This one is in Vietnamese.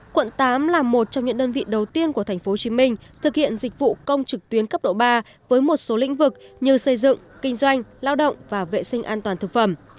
quận tám là một trong những đơn vị đầu tiên của thành phố hồ chí minh thực hiện dịch vụ công trực tuyến cấp độ ba với một số lĩnh vực như xây dựng kinh doanh lao động và vệ sinh an toàn thực phẩm